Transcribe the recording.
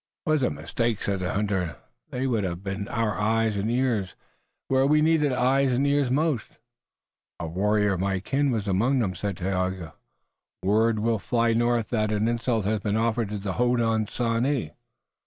"'Twas a mistake," said the hunter. "They would have been our eyes and ears, where we needed eyes and ears most." "A warrior of my kin was among them," said Tayoga. "Word will fly north that an insult has been offered to the Hodenosaunee."